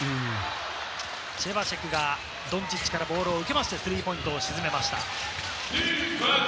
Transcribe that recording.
チェバシェクがドンチッチからボールを受けましてスリーポイントを沈めました。